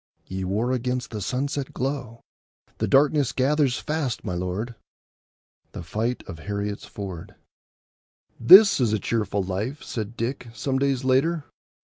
Ye war against the sunset glow; The darkness gathers fast, my lord. —The Fight of Heriot's Ford. "This is a cheerful life," said Dick, some days later.